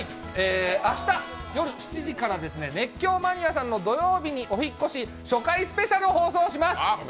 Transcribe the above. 明日夜７時から「熱狂マニアさん！」の土曜日にお引越し初回スペシャルを放送します。